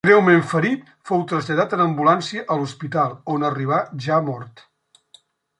Greument ferit, fou traslladat en ambulància a l'hospital on arribà ja mort.